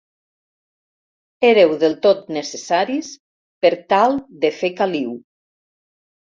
Éreu del tot necessaris per tal de fer caliu.